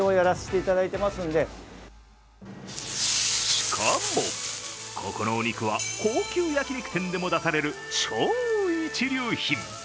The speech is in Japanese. しかも、ここのお肉は高級焼き肉店でも出される超一流品。